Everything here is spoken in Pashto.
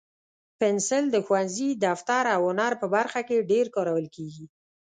پنسل د ښوونځي، دفتر، او هنر په برخه کې ډېر کارول کېږي.